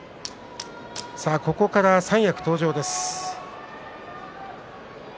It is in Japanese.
ここから三役登場です。